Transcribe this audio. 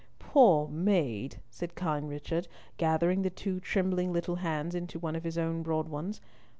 "Poor maid," said kind Richard, gathering the two trembling little hands into one of his own broad ones.